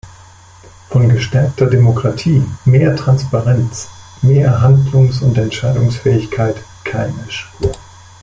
Von gestärkter Demokratie, mehr Transparenz, mehr Handlungs- und Entscheidungsfähigkeit keine Spur!